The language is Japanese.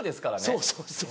そうそうそう。